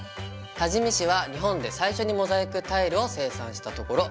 多治見市は日本で最初にモザイクタイルを生産したところ。